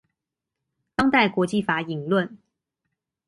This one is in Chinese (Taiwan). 當代國際法引論